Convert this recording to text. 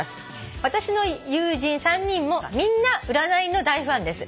「私の友人３人もみんな占いの大ファンです」